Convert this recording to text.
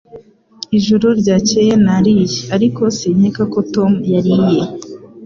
Ijoro ryakeye nariye, ariko sinkeka ko Tom yariye.